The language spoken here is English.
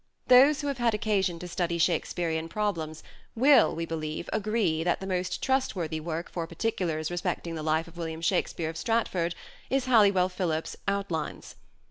Those who have had occasion to study Shake spearean problems will, we believe, agree that the most trustworthy work for particulars respecting the life of William Shakspere of Stratford is Halliwell Phillipps's " Outlines."